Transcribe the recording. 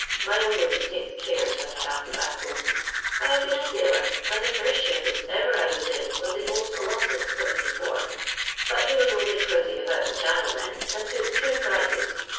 My old woman takes cares that I have tobacco. *' I have been a sailor, and the first ship as jBver I was in was the Old Colossus, 74, but we was only cruising about the Channel Uien, and took two prizes.